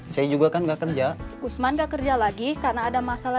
sake gak ada